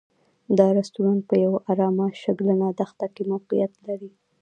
دا رسټورانټ په یوه ارامه شګلنه دښته کې موقعیت لري.